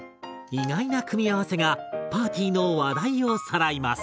意外な組み合わせがパーティーの話題をさらいます！